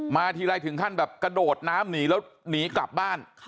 ทีไรถึงขั้นแบบกระโดดน้ำหนีแล้วหนีกลับบ้าน